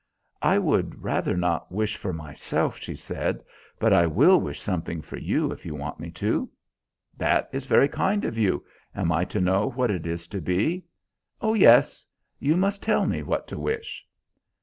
"I would rather not wish for myself," she said, "but I will wish something for you, if you want me to." "That is very kind of you. Am I to know what it is to be?" "Oh yes. You must tell me what to wish."